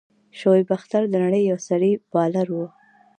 شعیب اختر د نړۍ یو سريع بالر وو.